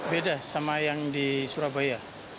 beda sama yang di surabaya